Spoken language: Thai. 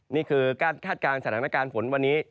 นี่คือการคาดการณ์สถานการณ์ฝนวันนี้